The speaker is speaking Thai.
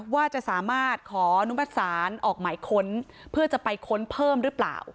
ว่าจะสามารถขออนุมัติศาลออกหมายค้นเพื่อจะไปค้นเพิ่มหรือเปล่า